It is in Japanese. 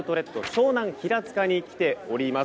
湘南平塚に来ております。